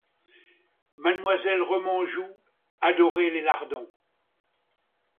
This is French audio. Mademoiselle Remanjou adorait les lardons.